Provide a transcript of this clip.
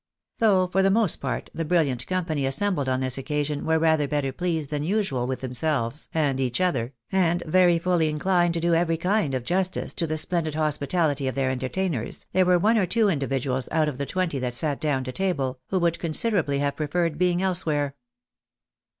Though for the most part the brilliant company assembled on this occasion were rather better pleased than usual with themselves and each other, and very fully inchned to do every kind of justice to the splendid hospitality of their entertainers, there were one or two individuals out of the twenty that sat down to table, who would considerably have preferred being elsewhere.